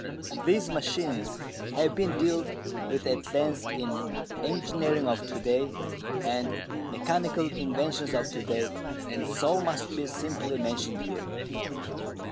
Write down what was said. These machines have been dealt with at length in Engineering of To day and Mechanical Inventions of To day and so must be simply mentioned here.